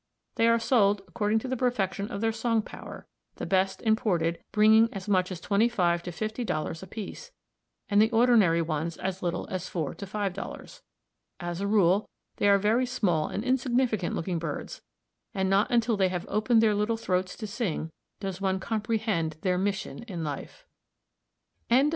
They are sold according to the perfection of their song power, the best imported bringing as much as $25 to $50 apiece, and ordinary ones as little as $4 to $5. As a rule they are very small and insignificant looking birds, and not until they have opened their little throats to sing, does one comprehend their mission in life. SUMMARY.